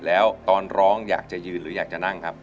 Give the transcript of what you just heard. แล้วตอนร้องอยากจะยืนหรืออยากจะนั่งครับ